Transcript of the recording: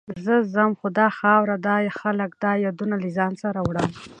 زه ځم، خو دا خاوره، دا خلک، دا یادونه له ځان سره وړم.